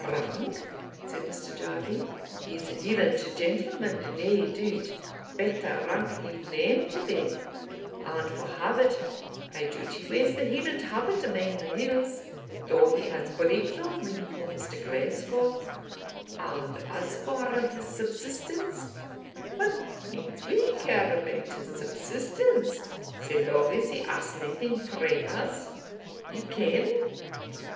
"Rank?" said Mr. Jarvie; "he's a Hieland gentleman, nae doubt better rank need nane to be; and for habit, I judge he wears the Hieland habit amang the hills, though he has breeks on when he comes to Glasgow; and as for his subsistence, what needs we care about his subsistence, sae lang as he asks naething frae us, ye ken?